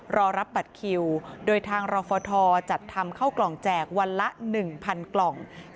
รอรับบัตรคิวโดยทางรฟทจัดทำเข้ากล่องแจกวันละ๑๐๐กล่อง